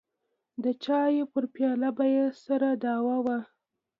د چايو پر پياله به يې سره دعوه وه.